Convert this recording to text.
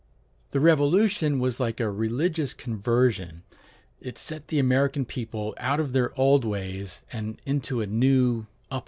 The Revolution was like a religious conversion: it set the American people out of their old ways, and into a new upward path.